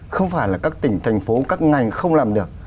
không phải là các tỉnh thành phố các ngành không làm được